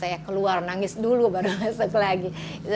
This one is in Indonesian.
saya keluar nangis dulu baru masuk lagi